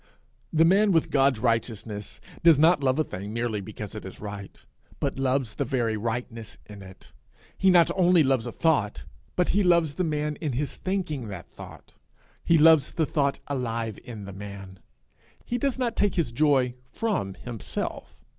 The man with God's righteousness does not love a thing merely because it is right, but loves the very rightness in it. He not only loves a thought, but he loves the man in his thinking that thought; he loves the thought alive in the man. He does not take his joy from himself.